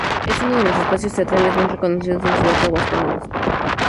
Es uno de los espacios teatrales más reconocidos en la ciudad de Aguascalientes.